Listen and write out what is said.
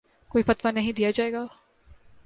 کوئی فتویٰ نہیں دیا جائے گا